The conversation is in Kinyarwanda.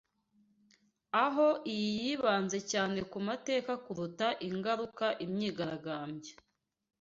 aho iyi yibanze cyane ku mateka kuruta ingaruka imyigaragambyo